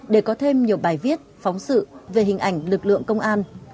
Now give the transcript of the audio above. để có thêm nhiều bài viết phóng sự về hình ảnh lực lượng công an